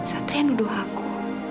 satria nuduh aku